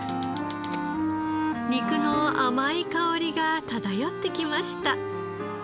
肉の甘い香りが漂ってきました。